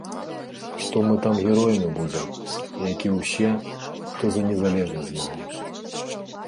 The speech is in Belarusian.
Што мы там героямі будзем, як і ўсе, хто за незалежнасць змагаўся.